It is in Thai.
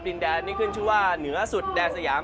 ดินแดนนี่ขึ้นชื่อว่าเหนือสุดแดนสยาม